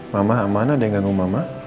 mama aman ada yang ganggu mama